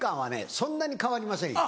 そんなに変わりませんよ。